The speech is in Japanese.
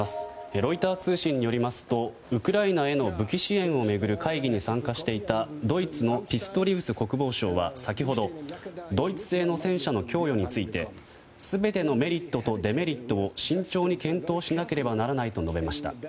ロイター通信によりますとウクライナへの武器支援を巡る会議に参加していたドイツのピストリウス国防相は先ほどドイツ製の戦車の供与について全てのメリットとデメリットを慎重に検討しなければならないと述べました。